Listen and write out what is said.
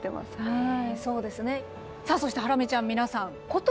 はい。